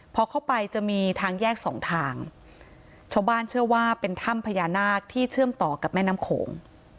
พอเข้าไปจะมีทางแยกสองทางชาวบ้านเชื่อว่าเป็นถ้ำพญานาคที่เชื่อมต่อกับแม่น้ำโขง